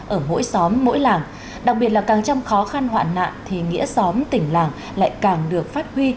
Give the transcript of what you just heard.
ở mỗi xóm mỗi làng đặc biệt là càng trong khó khăn hoạn nạn thì nghĩa xóm tỉnh làng lại càng được phát huy